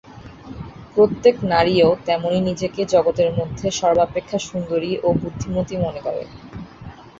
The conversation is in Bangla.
প্রত্যেক নারীও তেমনি নিজেকে জগতের মধ্যে সর্বাপেক্ষা সুন্দরী ও বুদ্ধিমতী মনে করে।